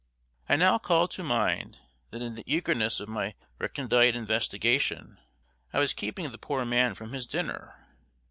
I now called to mind that in the eagerness of my recondite investigation, I was keeping the poor man from his dinner.